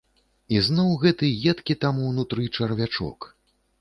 І зноў гэты едкі там, унутры, чарвячок.